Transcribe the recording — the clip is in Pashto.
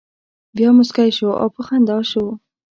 بیا مسکی شو او په خندا شو.